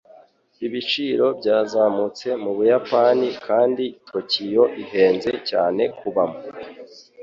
Ibiciro byazamutse mu Buyapani kandi Tokiyo ihenze cyane kubamo